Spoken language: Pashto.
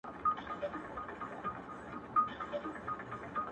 • چي سودا کوې په څېر د بې عقلانو ,